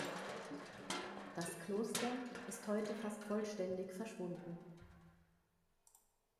Das Kloster ist heute fast vollständig verschwunden.